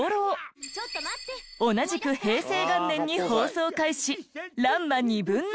同じく平成元年に放送開始『らんま１／２』。